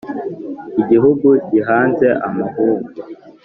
igihugu gihaze amahugu